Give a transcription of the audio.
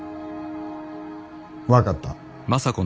分かった。